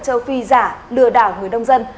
châu phi giả lừa đảo người nông dân